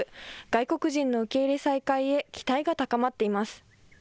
外国人の受け入れ再開へ期待が高まっています。